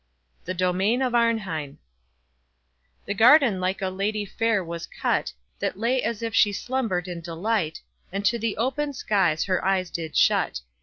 THE DOMAIN OF ARNHEIM The garden like a lady fair was cut, That lay as if she slumbered in delight, And to the open skies her eyes did shut.